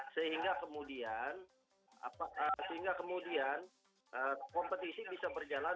sehingga kemudian kompetisi bisa berjalan